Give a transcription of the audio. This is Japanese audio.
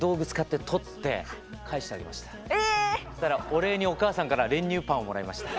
お礼におかあさんから練乳パンをもらいました。